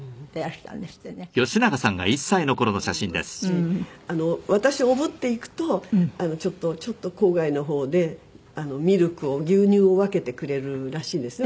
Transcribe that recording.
大変だったと思いますし私をおぶっていくとちょっと郊外の方でミルクを牛乳を分けてくれるらしいんですね。